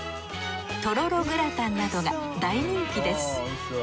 とろろグラタンなどが大人気です。